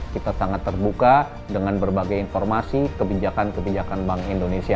kita sangat terbuka dengan berbagai informasi kebijakan kebijakan bank indonesia